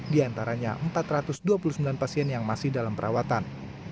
di antaranya empat ratus dua puluh sembilan pasien yang masih dalam perawatan